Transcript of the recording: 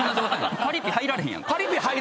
パリピ入られへんやんか。